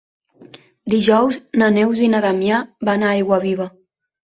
Dijous na Neus i na Damià van a Aiguaviva.